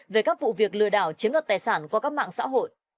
về các vụ việc lừa đảo chiếm đoạt tài sản qua các mạng xã hội